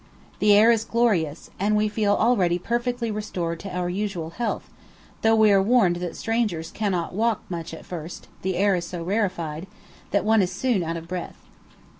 The air is glorious, and we feel already perfectly restored to our usual health, though we are warned that strangers cannot walk much at first, the air is so rarefied, that one is soon out of breath.